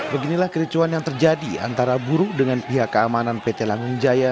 beginilah kericuan yang terjadi antara buruh dengan pihak keamanan pt lagun jaya